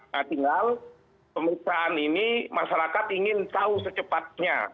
nah tinggal pemeriksaan ini masyarakat ingin tahu secepatnya